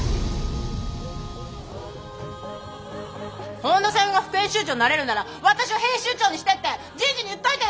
本田さんが副編集長になれるなら私を編集長にしてって人事に言っといてよ！